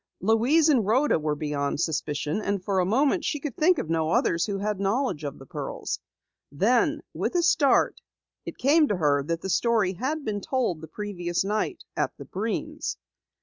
Louise and Rhoda were beyond suspicion, and for a moment she could think of no others who had knowledge of the pearls. Then, with a start, it came to her that the story had been told the previous night at the Breens.